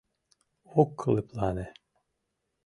Ок лыплане.